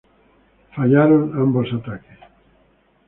Ambos ataques fallaron.